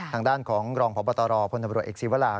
ทางด้านของรองพบตรพลตำรวจเอกศีวรา